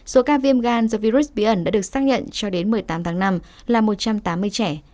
số ca viêm gan do virus bí ẩn đã được xác nhận cho đến một mươi tám tháng năm là một trăm tám mươi trẻ